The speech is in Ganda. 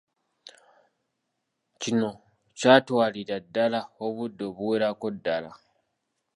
Kino kyatwalira ddala obudde obuwererako ddala.